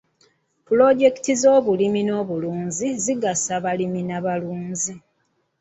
Pulojekiti z'obulimi n'obulunzi zigasa abalimi n'abalunzi.